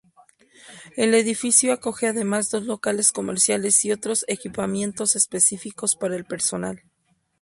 El edificio acoge además dos locales comerciales y otros equipamientos específicos para el personal.